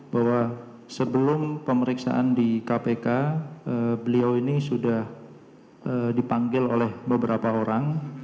bahwa sebelum pemeriksaan di kpk beliau ini sudah dipanggil oleh beberapa orang